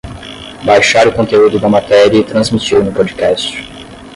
Baixar o conteúdo da matéria e transmitir no Podcast